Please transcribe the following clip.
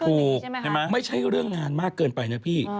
ถูกใช่ไหมไม่ใช่เรื่องงานมากเกินไปนะพี่